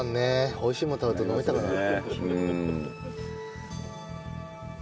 美味しいものを食べると飲みたくなる。